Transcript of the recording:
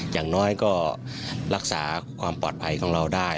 อย่างน้อยก็รักษาความปลอดภัยของเราได้